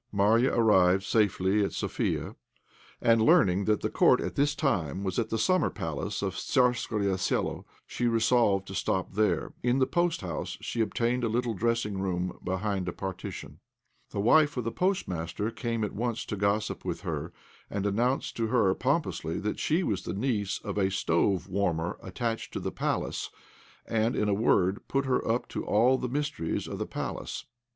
Marya arrived safely at Sofia, and, learning that the court at this time was at the summer palace of Tzarskoe Selo, she resolved to stop there. In the post house she obtained a little dressing room behind a partition. The wife of the postmaster came at once to gossip with her, and announced to her pompously that she was the niece of a stove warmer attached to the Palace, and, in a word, put her up to all the mysteries of the Palace.